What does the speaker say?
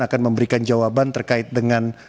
akan memberikan jawaban terkait dengan